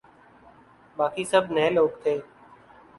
باقی سب نئے لوگ تھے۔